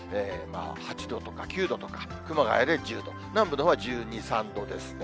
８度とか９度とか、熊谷で１０度、南部のほうは１２、３度ですね。